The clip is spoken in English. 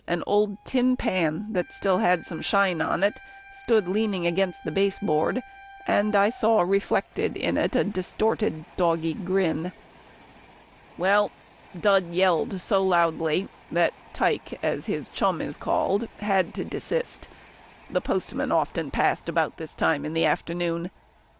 an old tin pan that still had some shine on it stood leaning against the baseboard, and I saw reflected in it a distorted dog grin. Well, Dud yelled so loudly, that Tike, as his chum is called, had to desist. The postman often passed about this time in the afternoon.